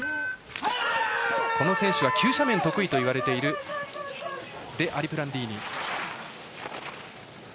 この選手は急斜面が得意といわれているデアリプランディーニ。